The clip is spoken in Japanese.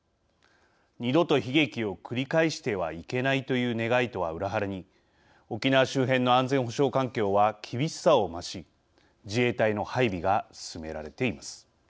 二度と悲劇を繰り返してはいけないという願いとは裏腹に沖縄周辺の安全保障環境は厳しさを増し、自衛隊の配備が進められています。